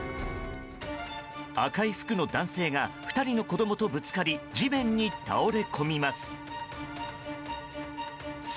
赤い服の男性が２人の子供とぶつかり地面に倒れ込みます。